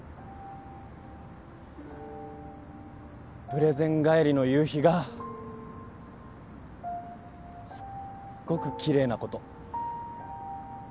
プレゼン帰りの夕日がすっごくきれいなこと。